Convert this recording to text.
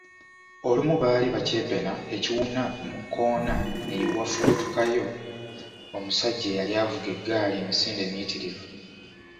Olumu baali bakyepena ekiwuna mu kkoona ne wafubutukayo omusajja eyali avuga eggaali emisinde emiyitirivu.